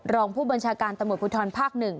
รองผู้บัญชาการตมติพุทธรภาค๑